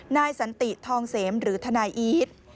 นายสันติทองเสมหรือทนายอีท